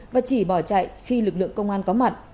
và chỉ bỏ chạy khi lực lượng công an có mặt